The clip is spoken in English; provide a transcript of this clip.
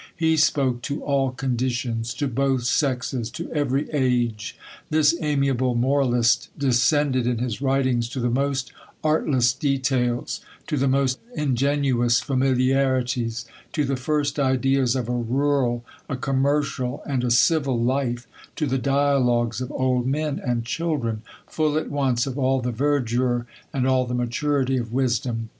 He spoke to all conditioits, to both sexes, to evefy age. This amiable moralist descended, in his writings, to the most artless details ; tq the most ingenuous familiarities ; to the first ideas of a rural, a commercial, and a civil life ; to the dialogues of old men and children ; full at once of all the verdure and all the maturity of wisdom.